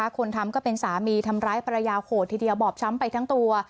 คนทำก็เป็นสามีทำร้ายภรรยาโหดทีเดียวบอบช้ำไปทั้งตัว